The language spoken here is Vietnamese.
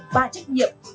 ba trách nhiệm